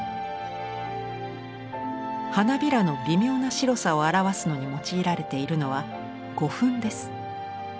花びらの微妙な白さを表すのに用いられているのは胡粉です。